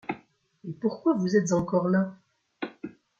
Mais pourquoi vous êtes encore là ?